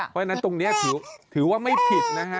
เพราะฉะนั้นตรงนี้ถือว่าไม่ผิดนะฮะ